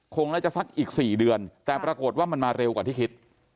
คงน่าจะสักอีก๔เดือนแต่ปรากฏว่ามันมาเร็วกว่าที่คิด